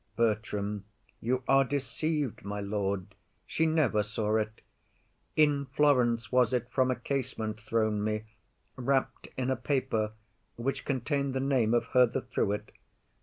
BERTRAM. You are deceiv'd, my lord; she never saw it. In Florence was it from a casement thrown me, Wrapp'd in a paper, which contain'd the name Of her that threw it.